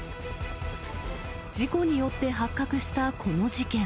事故によって発覚したこの事件。